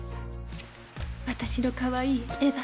私のかわいいエヴァ。